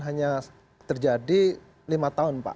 hanya terjadi lima tahun pak